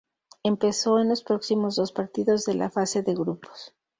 Empezó en los próximos dos partidos de la fase de grupos.